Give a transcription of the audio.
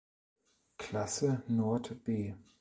Klasse Nord B".